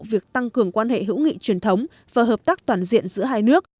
việc tăng cường quan hệ hữu nghị truyền thống và hợp tác toàn diện giữa hai nước